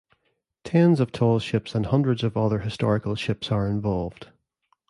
Tens of tall ships and hundreds of other historical ships are involved.